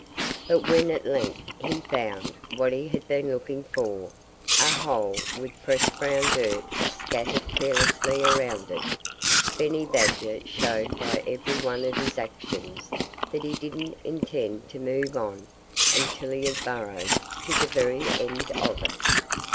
But when at length he found what he had been looking for a hole with fresh brown dirt scattered carelessly around it Benny Badger showed by every one of his actions that he didn't intend to move on until he had burrowed to the very end of it.